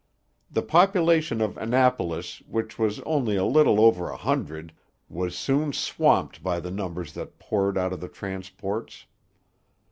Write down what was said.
The population of Annapolis, which was only a little over a hundred, was soon swamped by the numbers that poured out of the transports.